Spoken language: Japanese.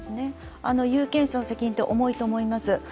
有権者の責任は重いと思います。